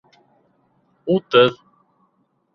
Утыҙ